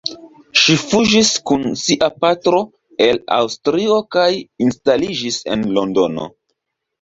Ŝi fuĝis kun sia patro el Aŭstrio kaj instaliĝis en Londono.